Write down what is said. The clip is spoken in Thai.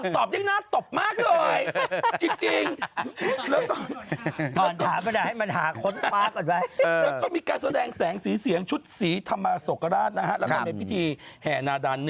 ก็เปล่าแต่งต่างกับตรงนี้เขียนไม่เหมือนกัน